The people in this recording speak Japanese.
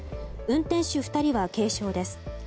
運転手２人は軽傷です。